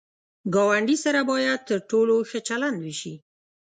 ګاونډي سره باید تر ټولو ښه چلند وشي